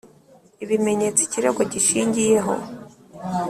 ibimenyetso ikirego gishingiyeho